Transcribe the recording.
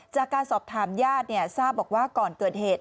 จากการสอบถามญาติทราบบอกว่าก่อนเกิดเหตุ